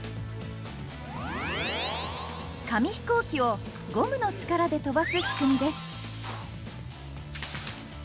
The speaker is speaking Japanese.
紙飛行機をゴムの力で飛ばす仕組みです。